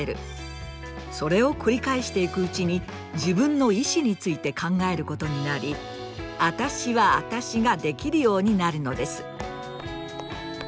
それを繰り返していくうちに自分の意思について考えることになり“あたしはあたし”ができるようになるのです。